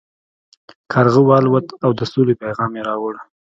کارغه والوت او د سولې پیام یې راوړ.